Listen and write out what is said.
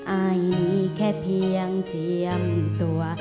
อ้ายนี่แค่เพียงเจียมตัว